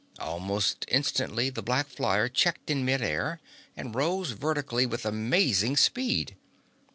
Almost instantly the black flyer checked in mid air and rose vertically with amazing speed.